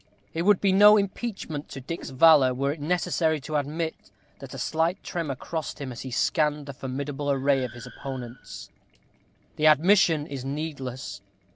It would be no impeachment to Dick's valor were it necessary to admit that a slight tremor crossed him as he scanned the formidable array of his opponents. The admission is needless.